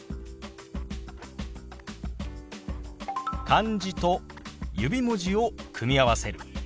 漢字と指文字を組み合わせる。